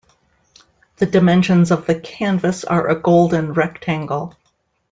The dimensions of the canvas are a golden rectangle.